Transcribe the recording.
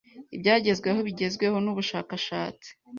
Ibyagezweho bigezweho nubushakashatsi